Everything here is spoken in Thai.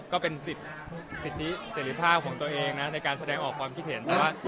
ก็เป็นสิทธิเสรีภาพของตัวเองนะในการแสดงออกความคิดเห็นแต่ว่า